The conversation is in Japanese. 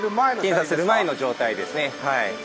検査する前の状態ですね。